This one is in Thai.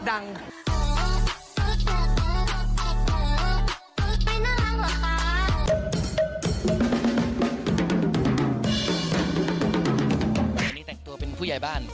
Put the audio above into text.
อันนี้แตกตัวเป็นผู้ยายบ้าน